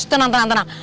tenang tenang tenang